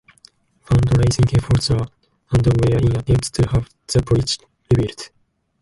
Fund-raising efforts are underway in attempt to have the bridge rebuilt.